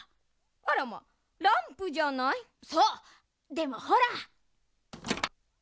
でもほら！